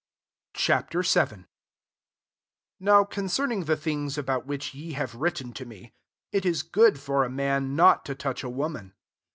Ch. VII. 1 NOW concern ing the things about which ye have written to me :// 1« good for a man not to touch a woman.